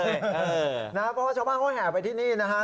เพราะว่าชาวบ้านเขาแห่ไปที่นี่นะฮะ